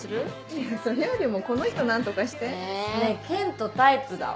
いやそれよりもこの人何とかして？ねぇケントタイプだわ。